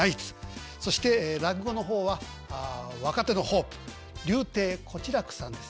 そして落語の方は若手のホープ柳亭小痴楽さんです。